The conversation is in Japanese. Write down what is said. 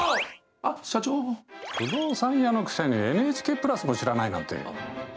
不動産屋のくせにＮＨＫプラスも知らないなんて。